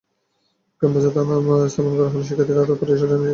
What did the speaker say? ক্যাম্পাসে থানা স্থাপন করা হলে শিক্ষার্থীরা আরও পুলিশি হয়রানির শিকার হবেন।